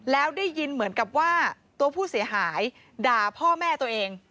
แล้วได้ยินเหมือนกับว่าตัวผู้เสียหายด่าพ่อแม่ตัวเอง